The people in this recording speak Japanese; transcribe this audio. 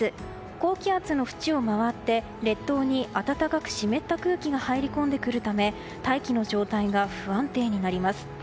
高気圧の縁を回って、列島に暖かく湿った空気が入り込んでくるため大気の状態が不安定になります。